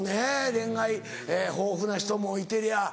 恋愛豊富な人もいてりゃ